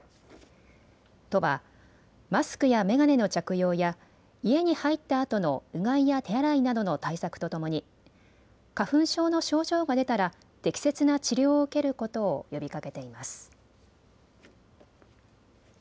都はマスクや眼鏡の着用や家に入ったあとのうがいや手洗いなどの対策とともに花粉症の症状が出たら適切な治療を受けることを呼びかけています。